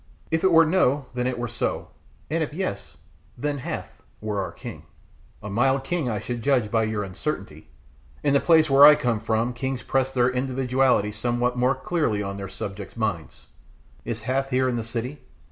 If it were no then it were so, and if yes then Hath were our king." "A mild king I should judge by your uncertainty. In the place where I came from kings press their individualities somewhat more clearly on their subjects' minds. Is Hath here in the city?